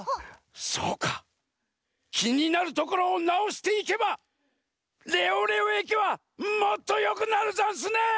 そうかきになるところをなおしていけばレオレオえきはもっとよくなるざんすね！